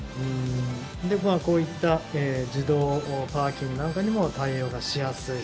こういった自動パーキングなんかにも対応しやすい。